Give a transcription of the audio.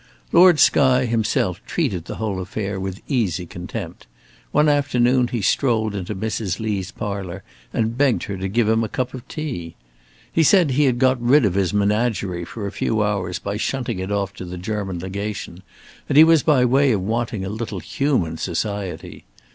Lord Skye himself treated the whole affair with easy contempt. One afternoon he strolled into Mrs. Lee's parlour and begged her to give him a cup of tea. He said he had got rid of his menagerie for a few hours by shunting it off upon the German Legation, and he was by way of wanting a little human society.